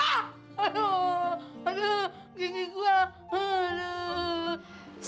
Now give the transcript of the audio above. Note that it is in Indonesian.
aduh aduh gigi gua aduh